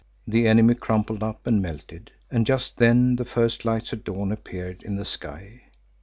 The enemy crumpled up and melted, and just then the first lights of dawn appeared in the sky.